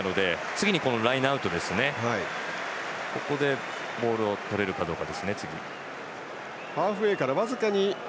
次のラインアウトでボールをとれるかどうか。